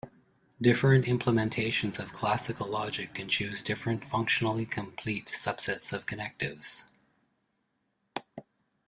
Different implementations of classical logic can choose different functionally complete subsets of connectives.